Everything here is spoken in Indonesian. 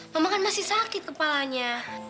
mama kan masih sakit kepalanya